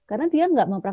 karena dia nggak berpisah